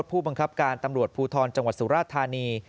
ผู้บังคับการตำรวจภูทรจังหวัดสุราธานี